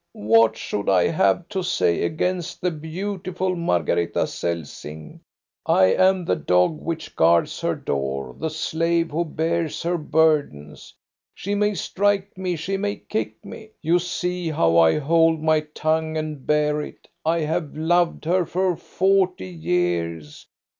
What should I have to say against the beautiful Margareta Celsing ! I am the dog which guards her door, the slave who bears her burdens. She may strike me, she may kick me! You see how I hold my tongue and bear it. I have loved her for forty years.